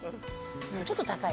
ちょっと高いな。